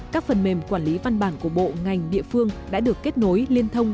các phần mềm quản lý văn bản của bộ ngành địa phương đã được kết nối liên thông